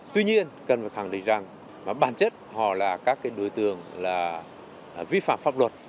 tuy nhiên cần phải khẳng định rằng bản chất họ là các đối tượng là vi phạm pháp luật